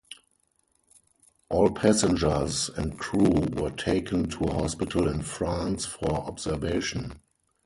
All passengers and crew were taken to a hospital in France for observation.